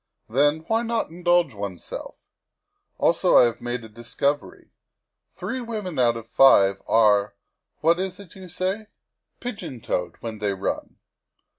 Then, why not indulge oneself? Also, I have made a discovery ; three women out of five are what is it you say? pigeon toed when they run.